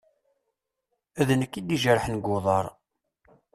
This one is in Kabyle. D nekk i d-ijerḥen g uḍaṛ.